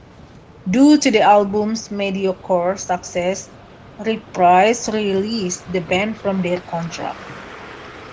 Due to the album's mediocre success, Reprise released the band from their contract.